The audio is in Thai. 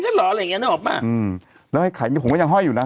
ฉันหรออะไรอย่างงี้น่ะออกมาอืมแล้วไอ้ไข่ผมก็ยังห้อยอยู่น่ะ